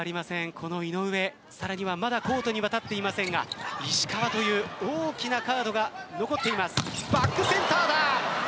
この井上、さらにはまだコートには立っていませんが石川という大きなカードが残っています。